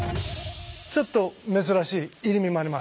ちょっと珍しい入身もあります。